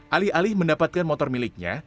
alih alih mendapatkan motor miliknya